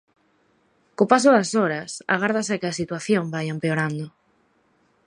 Co paso das horas, agárdase que a situación vaia empeorando.